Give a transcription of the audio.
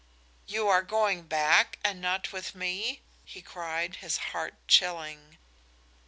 "You are going back and not with me?" he cried, his heart chilling.